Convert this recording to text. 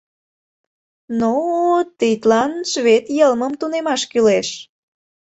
Но... тидлан швед йылмым тунемаш кӱлеш.